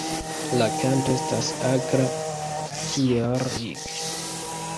La kanto estas akra "kieerr-ik".